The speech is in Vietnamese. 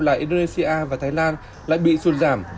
là indonesia và thái lan lại bị xuân giảm